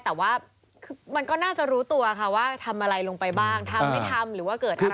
แต่ว่ามันก็น่าจะรู้ตัวค่ะว่าทำอะไรลงไปบ้างทำไม่ทำหรือว่าเกิดอะไร